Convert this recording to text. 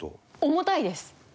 重たいです。